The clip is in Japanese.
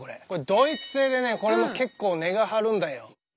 ドイツ製でねこれも結構値が張るんだよ。